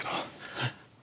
はい。